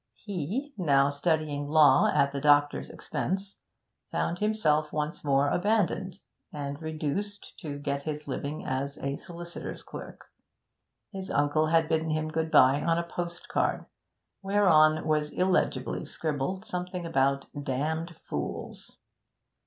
He, now studying law at the doctor's expense, found himself once more abandoned, and reduced to get his living as a solicitor's clerk. His uncle had bidden him good bye on a postcard, whereon was illegibly scribbled something about 'damned fools.'